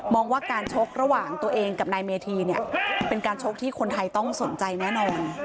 ว่าการชกระหว่างตัวเองกับนายเมธีเนี่ยเป็นการชกที่คนไทยต้องสนใจแน่นอน